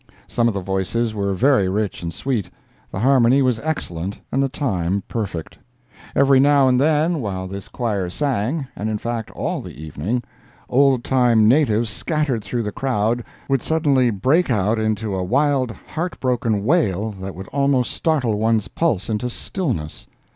Some of the voices were very rich and sweet, the harmony was excellent and the time perfect. Every now and then, while this choir sang (and, in fact, all the evening), old time natives scattered through the crowd would suddenly break out into a wild heart broken wail that would almost startle one's pulse into stillness.